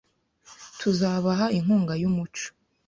Tuzabaha inkunga yumuco .